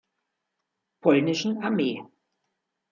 Polnischen Armee.